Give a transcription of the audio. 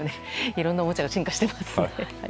いろんなおもちゃが進化していますね。